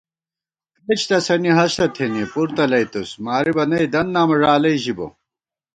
کرېچ تسَنی ہستہ تھنی پُر تلَئیتُوس مارِبہ نئ دن نامہ ݫالَئ ژِبہ